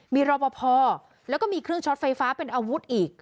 มีรอปภแล้วก็มีเครื่องช็อตไฟฟ้าเป็นอาวุธอีก